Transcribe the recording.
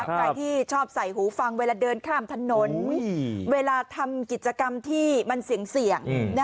ใครที่ชอบใส่หูฟังเวลาเดินข้ามถนนเวลาทำกิจกรรมที่มันเสี่ยง